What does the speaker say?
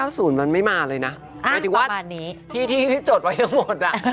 อ้าประมาณนี้หมายถึงว่าที่ที่ที่จดไว้ทั้งหมดอะ